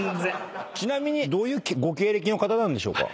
ちなみにどういうご経歴の方なんでしょうか？